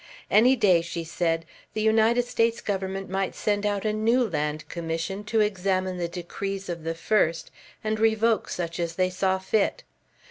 Any day, she said, the United States Government might send out a new Land Commission to examine the decrees of the first, and revoke such as they saw fit.